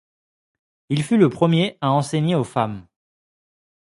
Il fut le premier à enseigner aux femmes.